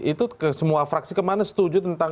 itu semua fraksi kemana setuju tentang